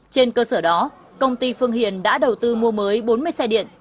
trên cơ sở đó công ty phương hiền đã đầu tư mua mới bốn mươi xe điện